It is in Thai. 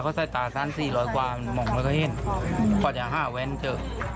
ก็จะห้าแว้นเจอ